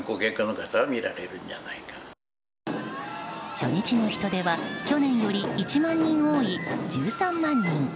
初日の人出は去年より１万人多い１３万人。